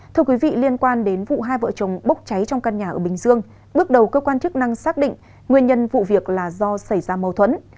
thưa quý vị liên quan đến vụ hai vợ chồng bốc cháy trong căn nhà ở bình dương bước đầu cơ quan chức năng xác định nguyên nhân vụ việc là do xảy ra mâu thuẫn